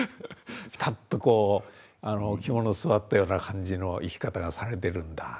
ピタッとこう肝の据わったような感じの生き方がされてるんだ。